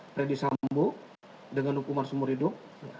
predi sambu dengan hukuman sumur hidup